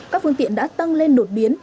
các phương tiện đã tăng lên đột biến